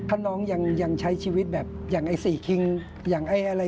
ถ้าน้องยังใช้ชีวิตแบบอย่างไอ้สี่คิง